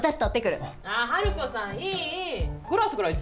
ハルコさんいい。